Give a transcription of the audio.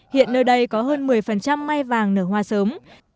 hiện nơi đây có hơn một mươi may vàng nở hoa sớm